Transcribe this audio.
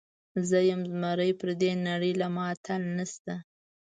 زه یم زمری، پر دې نړۍ له ما اتل نسته.